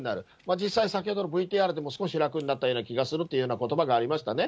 実際、先ほどのＶＴＲでも、少し楽になったような気がするというようなことばがありましたね。